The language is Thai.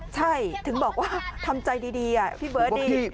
ใช่ถึงบอกว่าทำใจดีพี่เบิร์ตดี